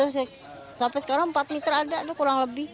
sampai sekarang empat mitra ada kurang lebih